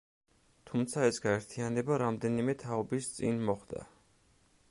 თუმცა ეს გაერთიანება რამდენიმე თაობის წინ მოხდა.